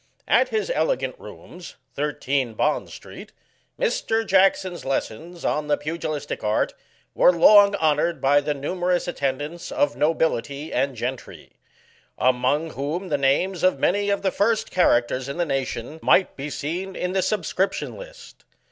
At his elegant rooms, 13, Bond street, Mr. Jackson's lessons on the pugilistic art were long honoured by the numerous attendance of nobility and gentry; among whom the names of many of the first characters in the nation might be seen in the subscription list.